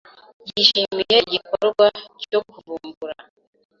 yishimiye igikorwa cyo kuvumbura